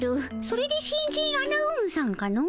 それで新人アナウンさんかの？